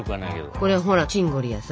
これほらチンゴリやさ